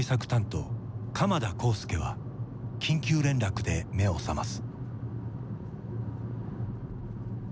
鎌田晃輔は緊急連絡で目を覚ます。